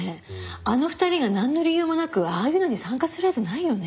あの２人がなんの理由もなくああいうのに参加するはずないよね。